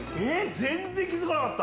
全然気付かなかった。